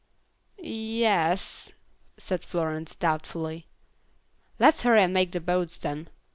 "Ye es," said Florence, doubtfully. "Let's hurry and make the boats then.